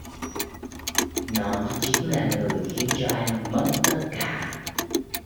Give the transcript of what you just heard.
nó chính là người khiến cho anh mất tất cả